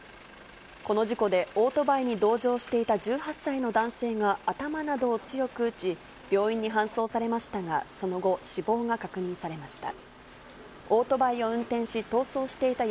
この事故でオートバイに同乗していた１８歳の男性が頭などを強く打ち、病院に搬送されましたが、その後、死亡が確認されました。